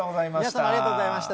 皆さんもありがとうございました。